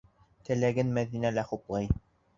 Теләген Мәҙинә лә хуплай.